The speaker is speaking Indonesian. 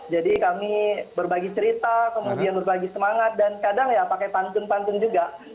jadi kami berbagi cerita kemudian berbagi semangat dan kadang ya pakai pantun pantun juga